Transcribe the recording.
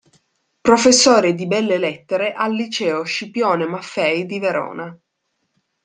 Professore di belle lettere al liceo Scipione Maffei di Verona.